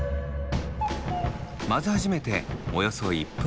混ぜ始めておよそ１分半。